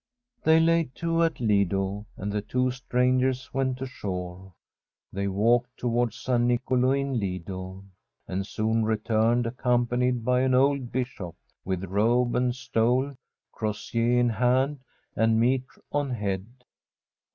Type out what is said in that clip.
They laid to at Lido, and the two strangers went 00 shore. They walked towards San Nicolo From a SWEDISH HOMESTEAD in Lido, and soon returned accompanied by an old Bishop, with robe and stole, crosier in hand, and mitre on head.